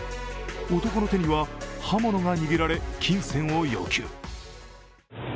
男の手には刃物が握られ金銭を要求。